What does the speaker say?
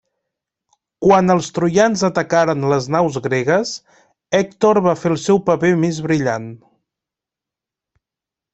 Quan els troians atacaren les naus gregues, Hèctor va fer el seu paper més brillant.